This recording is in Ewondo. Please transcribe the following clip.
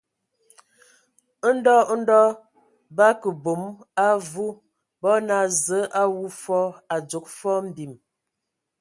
Ndɔ ndɔ bǝ akə bom a avu, bo naa : Zǝə a wu fɔɔ, a dzogo fɔɔ mbim.